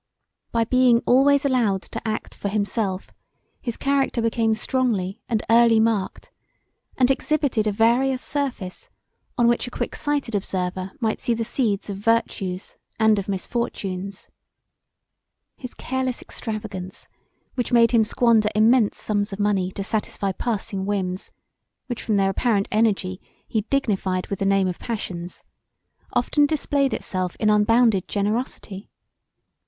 By being always allowed to act for himself his character became strongly and early marked and exhibited a various surface on which a quick sighted observer might see the seeds of virtues and of misfortunes. His careless extravagance, which made him squander immense sums of money to satisfy passing whims, which from their apparent energy he dignified with the name of passions, often displayed itself in unbounded generosity.